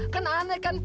kan aneh kan